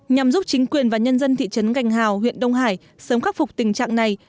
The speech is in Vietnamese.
nhằm giúp chính quyền và nhân dân thị trấn gành hào huyện đông hải sớm khắc phục tình trạng này